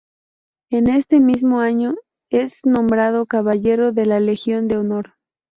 En este mismo año es nombrado Caballero de la Legion de Honor.